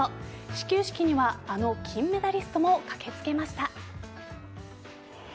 始球式にはあの金メダリストも駆けつけました。